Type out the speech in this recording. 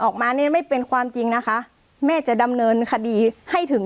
ออกมาเนี่ยไม่เป็นความจริงนะคะแม่จะดำเนินคดีให้ถึง